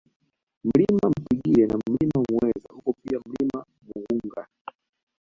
Mlima Mtingire na Mlima Mueza upo pia Mlima Mughunga